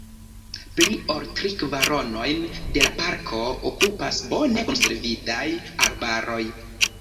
Pli ol tri kvaronojn de la parko okupas bone konservitaj arbaroj.